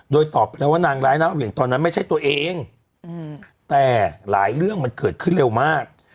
โดยตอบไปแล้วว่านางร้ายหน้าเหวี่ยงตอนนั้นไม่ใช่ตัวเองแต่หลายเรื่องมันเกิดขึ้นเร็วมาก